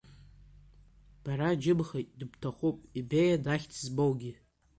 Бара, џьымхеит, дыбҭахуп, Ибеиан ахьӡ змоугьы.